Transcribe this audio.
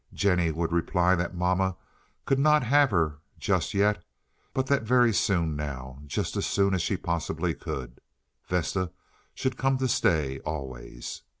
Jennie would reply that mamma could not have her just yet, but that very soon now, just as soon as she possibly could, Vesta should come to stay always.